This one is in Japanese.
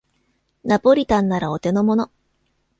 ナポリタンならお手のもの